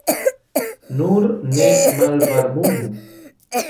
Nur ne malvarmumu.